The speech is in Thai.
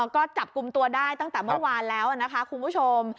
ก็จับกลุ่มตัวได้ตั้งแต่เมื่อวานแล้วนะคะคุณผู้ชม